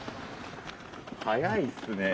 早いっすね。